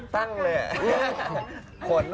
ตั้งเลยอะ